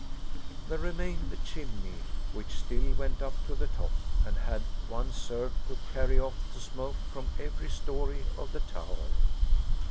There remained the chimney, which still went up to the top, and had once served to carry off the smoke from every story of the tower.